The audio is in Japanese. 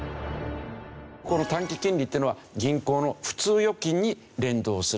この短期金利っていうのは銀行の普通預金に連動する。